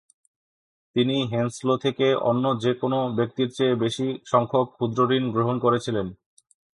তিনি হেনস্লো থেকে অন্য যে কোন ব্যক্তির চেয়ে বেশি সংখ্যক ক্ষুদ্র ঋণ গ্রহণ করেছিলেন।